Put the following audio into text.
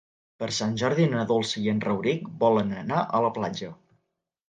Per Sant Jordi na Dolça i en Rauric volen anar a la platja.